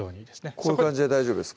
こういう感じで大丈夫ですか？